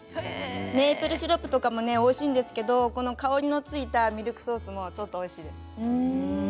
メープルシロップとかもおいしいんですけれど香りのついたミルクソースもおいしいです。